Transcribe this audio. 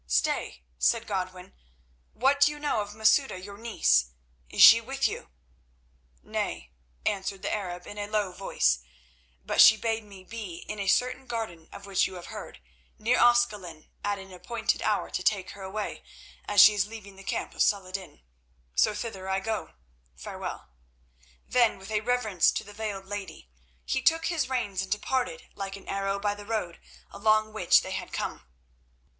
"Stay," said Godwin. "What do you know of Masouda, your niece? Is she with you?" "Nay," answered the Arab in a low voice, "but she bade me be in a certain garden of which you have heard, near Ascalon, at an appointed hour, to take her away, as she is leaving the camp of Salah ed din. So thither I go. Farewell." Then with a reverence to the veiled lady, he shook his reins and departed like an arrow by the road along which they had come.